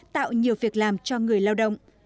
tạo nhiều việc làm cho người lao động